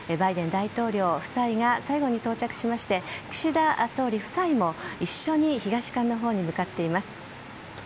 大統領夫妻が最後に到着しまして岸田総理夫妻も一緒に東館のほうに向かっています。